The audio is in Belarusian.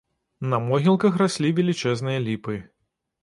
На могілках раслі велічэзныя ліпы.